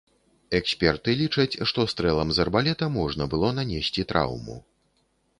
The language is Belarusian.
Эксперты лічаць, што стрэлам з арбалета можна было нанесці траўму.